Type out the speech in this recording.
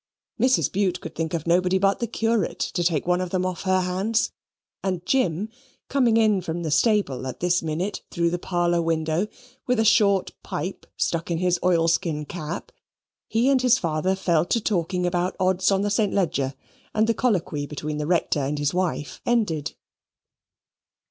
Mrs. Bute could think of nobody but the Curate to take one of them off her hands; and Jim coming in from the stable at this minute, through the parlour window, with a short pipe stuck in his oilskin cap, he and his father fell to talking about odds on the St. Leger, and the colloquy between the Rector and his wife ended.